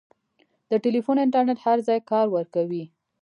د ټیلیفون انټرنېټ هر ځای کار ورکوي.